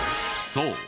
そう。